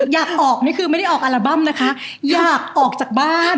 อยากออกนี่คือไม่ได้ออกอัลบั้มนะคะอยากออกจากบ้าน